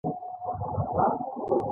په دې سره د توکو د بیې ترمنځ نسبت مومي